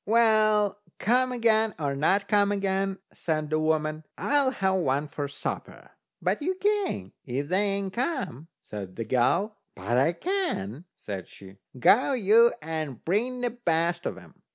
"Well, come again, or not come again," said the woman, "I'll have one for supper." "But you can't, if they ain't come," said the girl. "But I can," says she. "Go you, and bring the best of 'em."